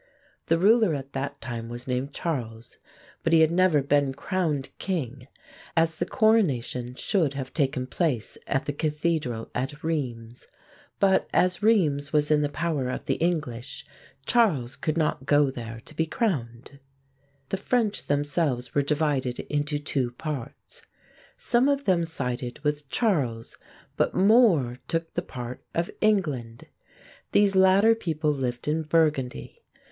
The ruler at that time was named Charles; but he had never been crowned king, as the coronation should have taken place at the Cathedral at Rheims (English pronunciation Reemz.) But as Rheims was in the power of the English, Charles could not go there to be crowned. The French themselves were divided into two parts. Some of them sided with Charles; but more took the part of England. These latter people lived in Burgundy.